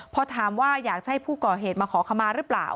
พอถามว่าอยากจะให้ผู้ก่อเหตุมาขอขมาหรือเปล่า